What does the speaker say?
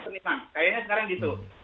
kayaknya sekarang gitu